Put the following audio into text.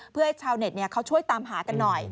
เพื่อให้ชาวเน็ตเขาช่วยตามหากันหน่อย